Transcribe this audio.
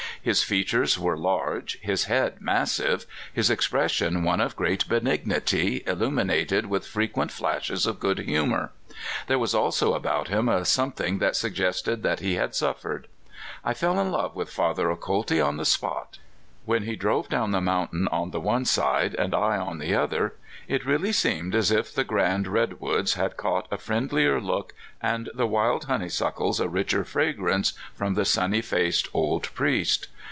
His features were large, his head massive, his expres sion one of great benignity, illuminated w^ith fre quent flashes of good humor. There was also about him a something that suggested that he had suffered. I fell in love wnth Father Acolti on the spot. When he drove down the mountain on the one side, and I on the other, it really seemed as if the grand redwoods had caught a friendlier look and the wild honeysuckles a richer fragrance from the sunny faced old priest.